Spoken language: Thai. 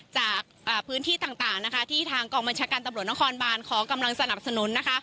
จากพื้นที่ต่างที่ทางกองบัญชาการตำรวจนครบานขอกำลังสนับสนุน